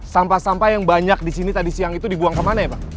sampah sampah yang banyak disini tadi siang itu dibuang kemana ya bang